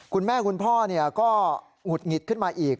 คุณพ่อก็หงุดหงิดขึ้นมาอีก